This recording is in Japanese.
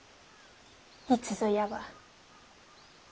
いつぞやは。